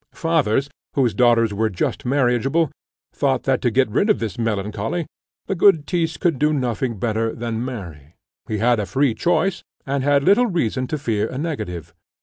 Fathers, whose daughters were just marriageable, thought that to get rid of this melancholy, the good Tyss could do nothing better than marry; he had a free choice, and had little reason to fear a negative.